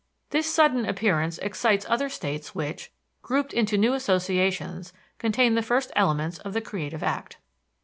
This sudden appearance excites other states which, grouped into new associations, contain the first elements of the creative act.